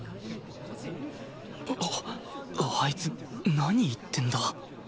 あいつ何言ってんだ？